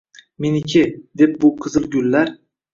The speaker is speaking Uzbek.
Meniki, deb bu qizil gullar…